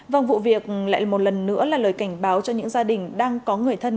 vâng vụ việc lại một lần nữa là lời cảnh báo cho những gia đình đang có người thân